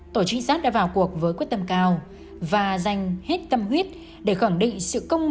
tổ trinh sát đã vào cuộc với quyết tâm cao và dành hết tâm huyết để khẳng định sự công